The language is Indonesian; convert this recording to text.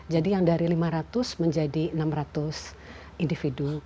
jadi yang dari lima ratus menjadi enam ratus individu